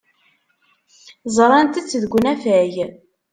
Ẓrant-t deg unafag.